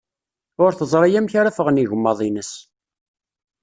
Ur teẓri amek ara ffɣen yigemmaḍ-ines.